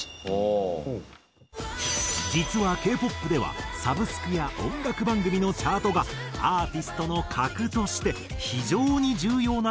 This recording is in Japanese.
実はＫ−ＰＯＰではサブスクや音楽番組のチャートがアーティストの格として非常に重要な意味を持つという。